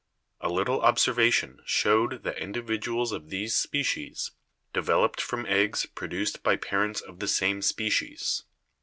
A little observation showed that individuals of these species de veloped from eggs produced by parents of the same species.